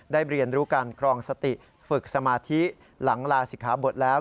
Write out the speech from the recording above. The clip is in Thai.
เรียนรู้การครองสติฝึกสมาธิหลังลาศิกขาบทแล้ว